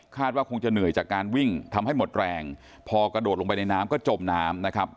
ว่าคงจะเหนื่อยจากการวิ่งทำให้หมดแรงพอกระโดดลงไปในน้ำก็จมน้ำนะครับ